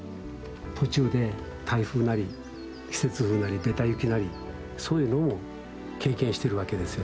途中で台風なり季節風なりべた雪なりそういうのも経験してるわけですよね。